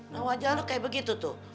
nah wajah anda kayak begitu tuh